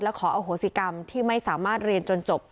และขออโหสิกรรมที่ไม่สามารถเรียนจนจบ